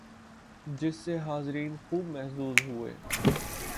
جس سے حاضرین خوب محظوظ ہوئے